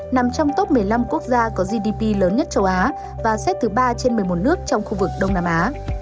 nằm trong top một mươi năm quốc gia có gdp lớn nhất châu á và xếp thứ ba trên một mươi một nước trong khu vực đông nam á